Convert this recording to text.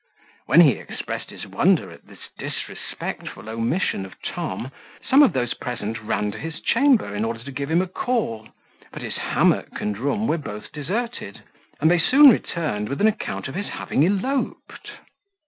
When he expressed his wonder at this disrespectful omission of Tom, some of those present ran to his chamber, in order to give him a call; but his hammock and room were both deserted, and they soon returned with an account of his having eloped.